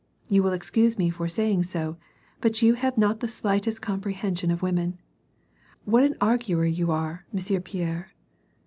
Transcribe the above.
You will excuse me for saying so, but you have not the slightest comprehension of women. What an arguer you are, Monsieur Pierre."